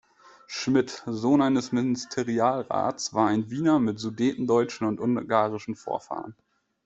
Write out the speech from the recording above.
Schmidt, Sohn eines Ministerialrats, war ein Wiener mit sudetendeutschen und ungarischen Vorfahren.